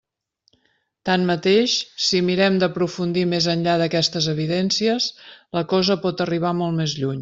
Tanmateix, si mirem d'aprofundir més enllà d'aquestes evidències, la cosa pot arribar molt més lluny.